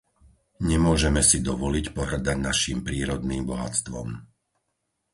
Nemôžeme si dovoliť pohŕdať naším prírodným bohatstvom.